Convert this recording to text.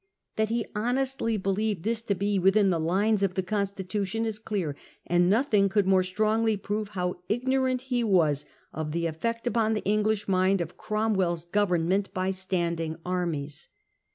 That he honestly believed this to be within the lines of the constitution is clear, and nothing could more strongly prove how ignorant he was of the effect upon the English mind of CromwelPs government by standing armies.